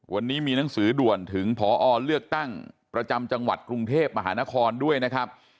วันนี้มีหนังสือด่วนถึงพอเลือกตั้งประจำจังหวัดกรุงเทพมหานครด้วยนะครับ